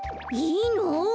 いいの？